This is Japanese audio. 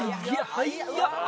早っ！